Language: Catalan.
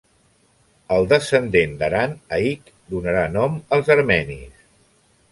El descendent d'Aran, Haik, donarà nom als armenis.